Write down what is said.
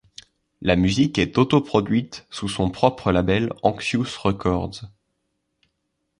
La musique est auto-produite sous son propre label Anxious Records.